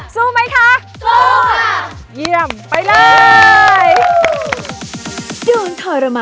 สู้ไหม